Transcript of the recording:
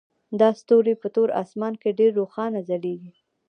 دا ستوري په تور اسمان کې ډیر روښانه ځلیږي